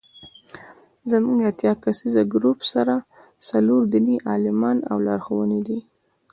زموږ اتیا کسیز ګروپ سره څلور دیني عالمان او لارښوونکي دي.